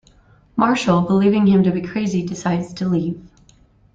Marshall, believing him to be crazy, decides to leave.